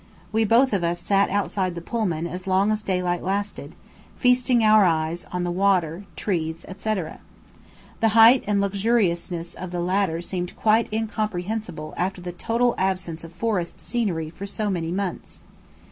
We both of us sat outside the Pullman as long as daylight lasted, feasting our eyes oh the water, trees, etc. The height and luxuriance of the latter seemed quite incomprehensible after the total absence of forest scenery for so many months.